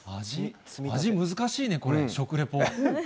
味、難しいね、これ、食レポ。